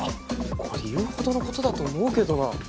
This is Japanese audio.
これ言うほどの事だと思うけどな。